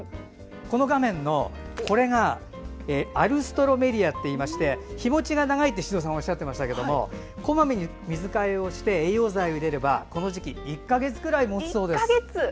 この画面のこれがアルストロメリアといいまして日もちが長いって宍戸さんおっしゃってましたけどこまめに水替えをして栄養剤を入れればこの時期、１か月くらいもつそうです。